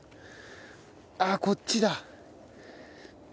あっこっちだ。